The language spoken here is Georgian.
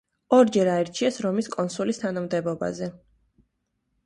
ორჯერ აირჩიეს რომის კონსულის თანამდებობაზე.